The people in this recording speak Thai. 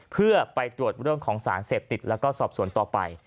เพื่อไปตรวจเรื่องของสารเสพติดแล้วก็สอบสวนต่อไป